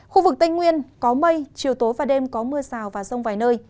khu vực tây nguyên có mây chiều tối và đêm có mưa rào và rông vài nơi